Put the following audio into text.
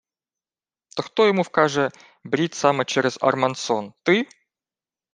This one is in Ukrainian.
— То хто йому вкаже брід саме через Армансон? Ти?